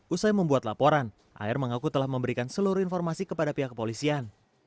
usai membuat laporan ar mengaku telah memberikan seluruh informasi kepada pihak kepolisian